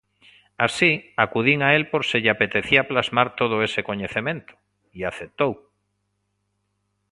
Así, acudín a el por se lle apetecía plasmar todo ese coñecemento e aceptou.